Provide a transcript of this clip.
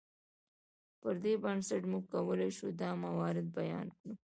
پر دې بنسټ موږ کولی شو دا موارد بیان کړو.